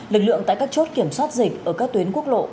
lực lượng tại các chốt kiểm soát dịch ở các tuyến quốc lộ